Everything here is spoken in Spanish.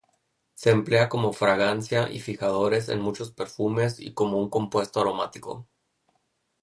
Se emplea como fragancia y fijadores en muchos perfumes y como un compuesto aromático.